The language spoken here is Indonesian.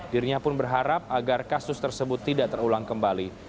dirinya pun berharap agar kasus tersebut tidak terulang kembali